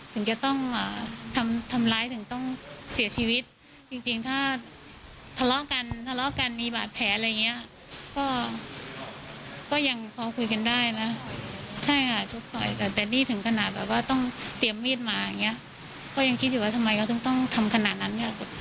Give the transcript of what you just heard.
เพิ่งต้องทำขนาดนั้นอย่างนี้ครับ